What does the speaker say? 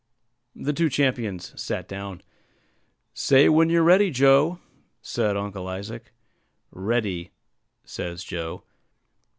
The two champions sat down. "Say when you're ready, Joe," said Uncle Isaac. "Ready," says Joe.